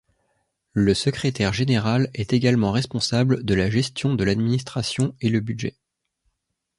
Le Secrétaire général est également responsable de la gestion de l'administration et le budget.